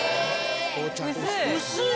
薄い！